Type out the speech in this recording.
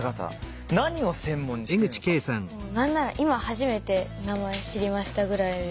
何なら今初めて名前知りましたぐらいで。